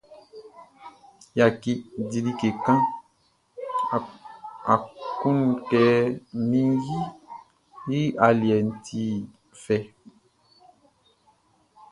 Yaki, di like kan; á wún kɛ min yiʼn i aliɛʼn ti fɛ.